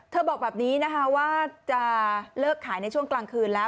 บอกแบบนี้นะคะว่าจะเลิกขายในช่วงกลางคืนแล้ว